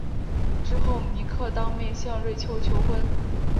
之后尼克当面向瑞秋求婚。